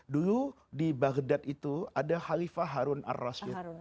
dulu di baghdad itu ada halifah harun ar rasul